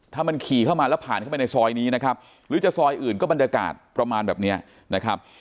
ถ้ามันขี่เข้ามาแล้วผ่านเข้าไปในซอยนี้นะครับหรือจะซอยอื่นก็บรรยากาศประมาณแบบเนี้ยนะครับ